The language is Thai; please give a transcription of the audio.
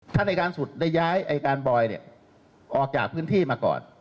ถ้าในการสุดได้ย้ายอายการบอยออกจากพื้นที่มาก่อน